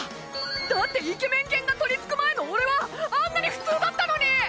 だってイケメン犬がとりつく前の俺はあんなに普通だったのに！